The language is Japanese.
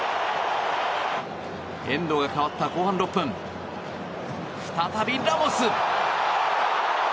エンドが変わった後半６分再びラモス。